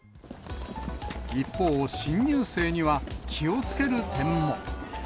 一方、新入生には気をつける点も。